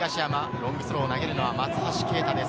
ロングスローを投げるのは松橋啓太です。